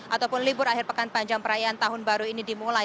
ataupun libur akhir pekan panjang perayaan tahun baru ini dimulai